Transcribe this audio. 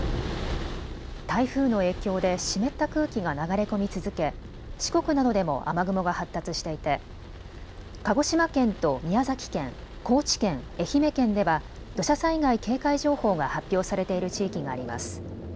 台風の影響で湿った空気が流れ込み続け、四国などでも雨雲が発達していて鹿児島県と宮崎県、高知県、愛媛県では土砂災害警戒情報が発表されている地域があります。